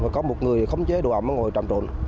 có một người khống chế đồ ấm ngồi trạm trộn